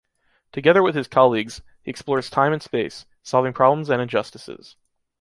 Together with his colleagues, he explores time and space, solving problems and injustices.